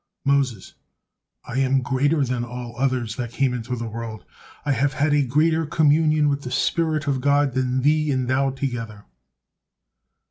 Moses: "I am greater than all others that came into the world, I have had a greater communion with the spirit of God than thee and thou together."